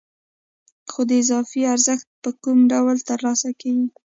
خو دا اضافي ارزښت په کوم ډول ترلاسه کېږي